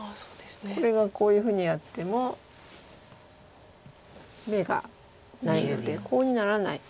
これがこういうふうにやっても眼がないのでコウにならない。